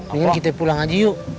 mungkin kita pulang aja yuk